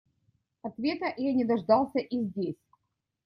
Ответа я не дождался и здесь.